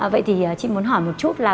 vậy thì chị muốn hỏi một chút là